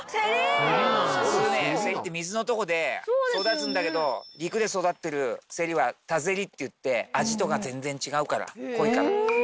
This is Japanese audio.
普通ねセリって水のとこで育つんだけど陸で育ってるセリは田ぜりっていって味とか全然違うから濃いから。